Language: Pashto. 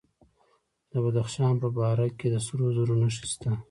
د بدخشان په بهارک کې د سرو زرو نښې شته.